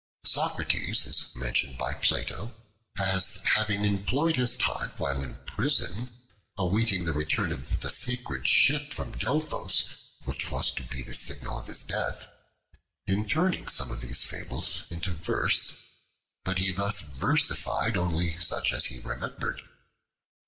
Socrates is mentioned by Plato as having employed his time while in prison, awaiting the return of the sacred ship from Delphos which was to be the signal of his death, in turning some of these fables into verse, but he thus versified only such as he remembered.